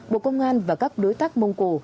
bộ công an và các đối tác mông cổ